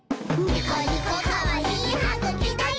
ニコニコかわいいはぐきだよ！」